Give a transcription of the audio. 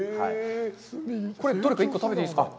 これ、どれか１個食べていいですか。